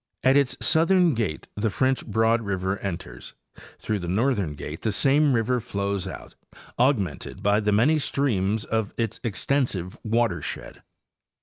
At its southern gate the French Broad river enters; through the northern gate the same river flows out, augmented by the many streams of its extensive watershed.